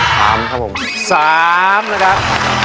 สามครับผมสามนะครับ